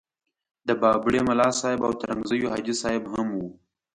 د بابړي ملاصاحب او ترنګزیو حاجي صاحب هم وو.